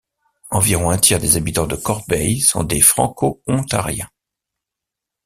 Environ un tiers des habitants de Corbeil sont des Franco-ontariens.